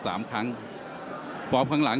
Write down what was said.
ส่วนฝ่ายน้ำเงินหุ้นตึกเล็กออกหวานเมือง